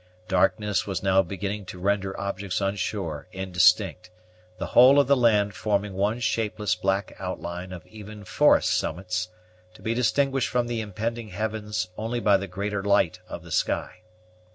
Darkness was now beginning to render objects on shore indistinct, the whole of the land forming one shapeless black outline of even forest summits, to be distinguished from the impending heavens only by the greater light of the sky.